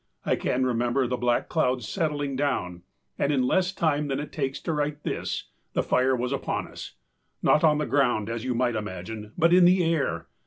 I can remember the black cloud settling down and in less time than it takes to write this, the fire was upon us not on the ground as you might imagine, but in the air.